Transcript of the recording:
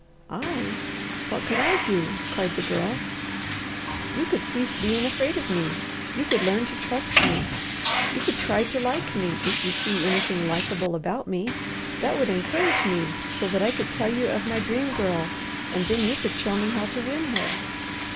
"I! What could I do?" cried the Girl. "You could cease being afraid of me. You could learn to trust me. You could try to like me, if you see anything likeable about me. That would encourage me so that I could tell you of my Dream Girl, and then you could show me how to win her.